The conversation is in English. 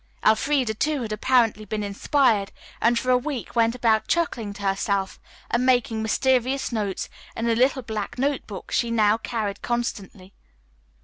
Elfreda, too, had apparently been inspired, and for a week went about chuckling to herself and making mysterious notes in a little black note book she now carried constantly.